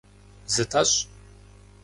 Зытӏэщӏ!